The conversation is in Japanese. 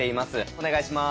お願いします。